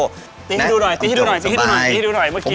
อเจมส์ตีให้ดูหน่อยเมื่อกี้สบายพี่